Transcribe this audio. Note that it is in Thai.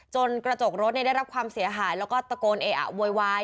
กระจกรถได้รับความเสียหายแล้วก็ตะโกนเออะโวยวาย